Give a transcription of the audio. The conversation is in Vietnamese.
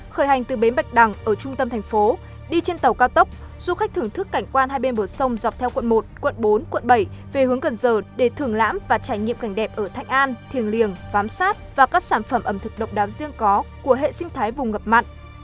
khởi hành từ bến bạch đằng ở trung tâm thành phố đi trên tàu cao tốc du khách thưởng thức cảnh quan hai bên bờ sông dọc theo quận một quận bốn quận bảy về hướng cần giờ để thưởng lãm và trải nghiệm cảnh đẹp ở thanh an thiềng liềng sát và các sản phẩm ẩm thực độc đáo riêng có của hệ sinh thái vùng ngập mặn